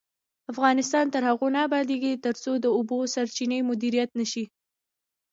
افغانستان تر هغو نه ابادیږي، ترڅو د اوبو سرچینې مدیریت نشي.